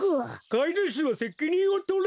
かいぬしはせきにんをとれ！